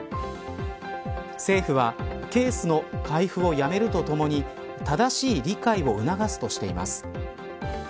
政府は、ケースの配布をやめるとともに正しい理解を促すとしています。